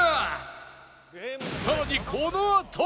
さらにこのあと